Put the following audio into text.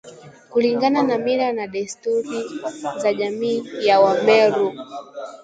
kulingana na mila na desturi za jamii ya Wameru